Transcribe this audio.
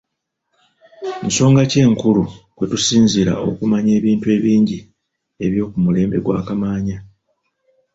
Nsonga ki enkulu kwe tusinziira okumanya ebintu ebingi eby'oku mulembe gwa Kamaanya?